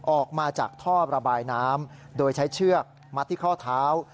ออกมาจากท่อระบายน้ำโดยใช้เชือกมัดที่ข้อเท้า